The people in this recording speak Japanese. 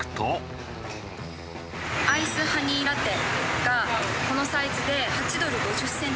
アイスハニーラテがこのサイズで８ドル５０セント。